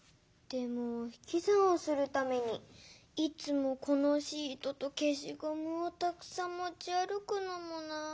でもひきざんをするためにいつもこのシートとけしごむをたくさんもちあるくのもなあ。